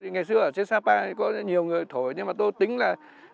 ngày xưa ở trên sapa có nhiều người thổi nhưng mà tôi tính là